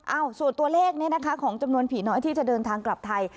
ส่วนตัวเลขนี้นะคะของจำนวนผีน้อยที่จะเดินทางกลับไทย